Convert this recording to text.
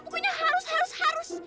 udah pokoknya harus harus harus